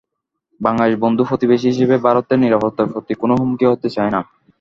বাংলাদেশ বন্ধু প্রতিবেশী হিসেবে ভারতের নিরাপত্তার প্রতি কোনো হুমকি হতে চায় না।